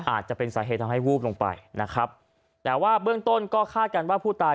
อาจจะเป็นสาเหตุทำให้วูบลงไปนะครับแต่ว่าเบื้องต้นก็คาดกันว่าผู้ตาย